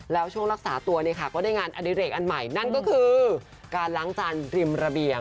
แล้วช่วงรักษาตัวเนี่ยค่ะก็ได้งานอดิเรกอันใหม่นั่นก็คือการล้างจานริมระเบียง